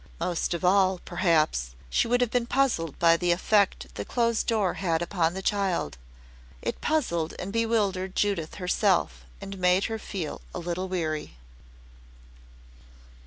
Most of all, perhaps, she would have been puzzled by the effect the closed door had upon the child. It puzzled and bewildered Judith herself and made her feel a little weary.